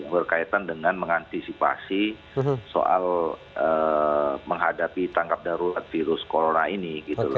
berkaitan dengan mengantisipasi soal menghadapi tangkap darurat virus corona ini